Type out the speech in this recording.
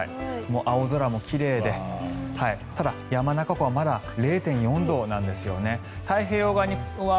青空も奇麗で、ただ、山中湖はまだ０．４度なんですよね。